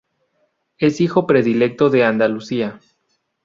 Es Hijo Predilecto de Andalucía.